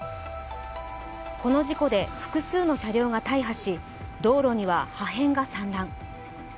この事故で複数の車両が大破し、道路には破片が散乱。